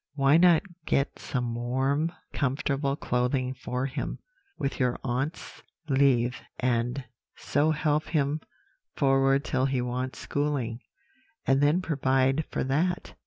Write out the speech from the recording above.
Why not get some warm comfortable clothing for him, with your aunts' leave, and so help him forward till he wants schooling, and then provide for that?'